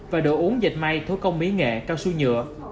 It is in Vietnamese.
và đồ uống dạch may thú công mỹ nghệ cao su nhựa